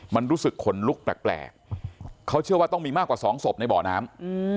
มันรู้สึกขนลุกแปลกเขาเชื่อว่าต้องมีมากกว่าสองศพในบ่อน้ำ